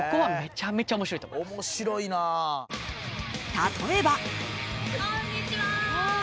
［例えば］こんにちは。